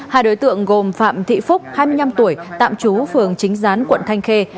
hai đối tượng gồm phạm thị phúc hai mươi năm tuổi tạm trú phường chính gián quận thanh khê